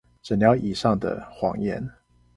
診療椅上的謊言